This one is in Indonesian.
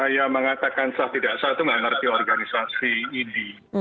ya mengatakan sah tidak sah itu tidak mengerti organisasi id